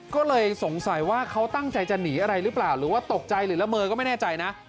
ก็เลยสงสัยว่าเขาตั้งใจจะหนีอะไรหรือเปล่าหรือว่าตกใจหรือละเมอก็ไม่แน่ใจนะ